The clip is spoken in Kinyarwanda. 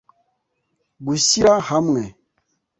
gushyira hamwe